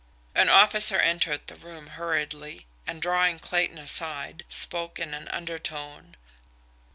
An officer entered the room hurriedly, and, drawing Clayton aside, spoke in an undertone.